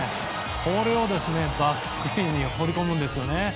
これをバックスクリーンに放り込むんですよね。